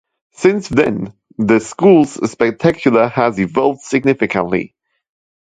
Since then, the Schools Spectacular has evolved significantly.